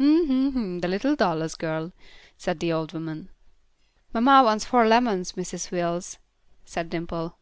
Hm! Hm! The little Dallas girl," said the old woman. "Mamma wants four lemons, Mrs. Wills," said Dimple.